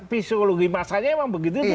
fisiologi masanya memang begitu